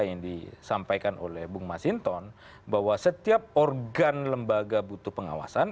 yang disampaikan oleh bung masinton bahwa setiap organ lembaga butuh pengawasan